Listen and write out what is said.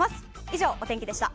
以上、お天気でした。